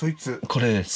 これです。